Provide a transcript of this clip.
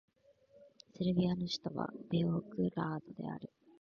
セルビアの首都はベオグラードである